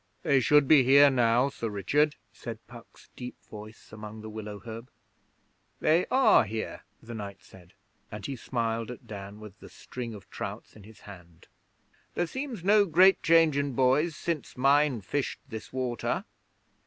'They should be here now, Sir Richard,' said Puck's deep voice among the willow herb. 'They are here,' the knight said, and he smiled at Dan with the string of trouts in his hand. 'There seems no great change in boys since mine fished this water.'